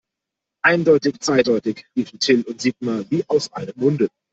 Eindeutig zweideutig, riefen Till und Sigmar wie aus einem Munde.